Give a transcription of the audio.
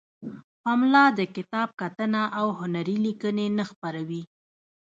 پملا د کتاب کتنه او هنری لیکنې نه خپروي.